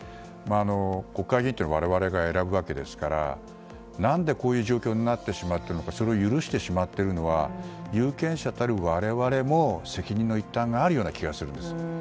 国会議員というのは我々が選ぶわけですから何でこういう状況になってしまったのか、それを許してしまっているのは有権者たる我々も責任の一端があるような気がするんです。